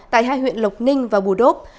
tại hai huyện lộc ninh và bù đốp